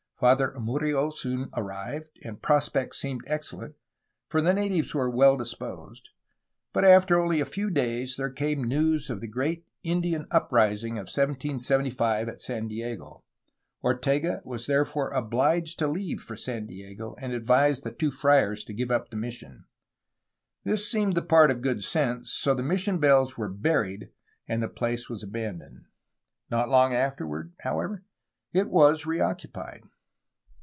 Father Amurrio soon arrived, and prospects seemed excellent, for the natives were well disposed, but after only a few days there came news of the great Indian uprising of 1775 at San Diego. Ortega was therefore obhged to leave for San Diego, and advised the two friars to give up the mission. This seemed the part of good sense; so the mission bells were buried, and the place was abandoned. Not long afterward, however, it was reoccupied.